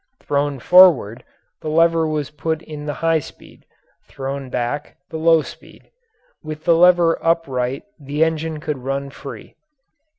Thrown forward, the lever put in the high speed; thrown back, the low speed; with the lever upright the engine could run free.